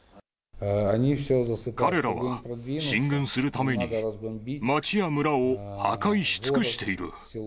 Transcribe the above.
彼らは進軍するために町や村を破壊し尽くしている。